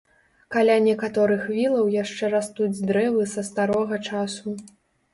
Каля некаторых вілаў яшчэ растуць дрэвы са старога часу.